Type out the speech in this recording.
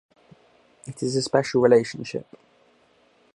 It is a special relationship.